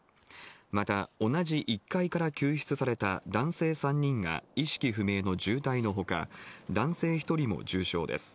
また、同じ１階から救出された男性３人が意識不明の重体のほか、男性１人も重傷です。